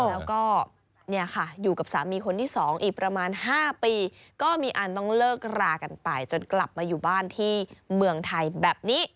แล้วก็เนี่ยค่ะอยู่กับสามีคนที่๒อีกประมาณ๕ปีก็มีอันต้องเลิกรากันไปจนกลับมาอยู่บ้านที่เมืองไทยแบบนี้